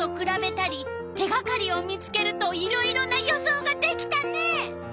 手がかりを見つけるといろいろな予想ができたね。